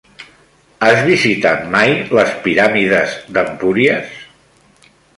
Has visitat mai les piràmides d'Empúries?